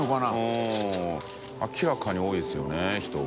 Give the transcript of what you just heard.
Α舛明らかに多いですよね人が。